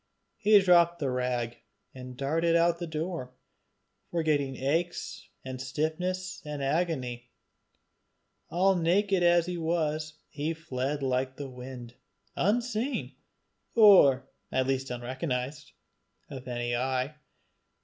He dropped the rag, and darted out of the door, forgetting aches and stiffness and agony. All naked as he was, he fled like the wind, unseen, or at least unrecognized, of any eye.